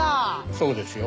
そうですよ。